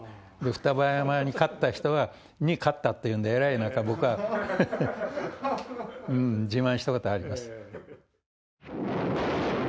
双葉山に勝った人に勝ったというんで、えらい僕は自慢したことあります。